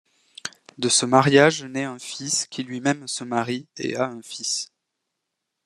De ce mariage naît un fils, qui lui-même se marie et a un fils.